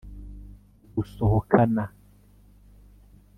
Gusohokana